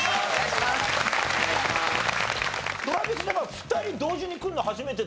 ２人同時に来るの初めてだよね？